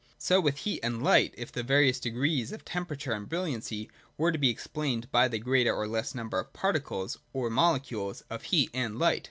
So with heat and light, if the various degrees of temperature and brilliancy were to be explained by the greater or less number of particles (or molecules) of heat and light.